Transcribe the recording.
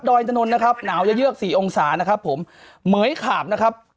อยถนนนะครับหนาวจะเยือกสี่องศานะครับผมเหมือยขาบนะครับ